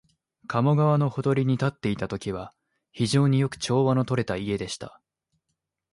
加茂川のほとりに建っていたときは、非常によく調和のとれた家でした